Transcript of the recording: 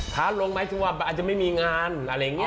ท้าลงหมายถึงว่าอาจจะไม่มีงานอะไรอย่างนี้